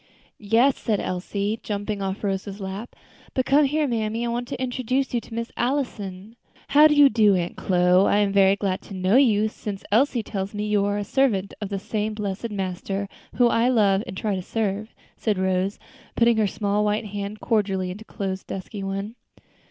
"Yes," said Elsie, jumping off Rose's lap; "but come here, mammy; I want to introduce you to Miss Allison." "How do you do, Aunt Chloe? I am very glad to know you, since Elsie tells me you are a servant of the same blessed Master whom I love and try to serve," said Rose, putting her small white hand cordially into Chloe's dusky one.